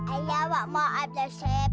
alamak maaf dah sip